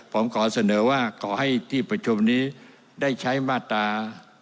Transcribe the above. ผมขอเสนอว่าขอให้ที่ประชุมนี้ได้ใช้มาตรา